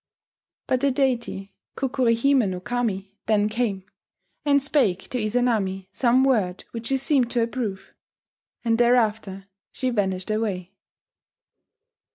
But the deity Kukuri hime no Kami then came, and spake to Izanami some word which she seemed to approve, and thereafter she vanished away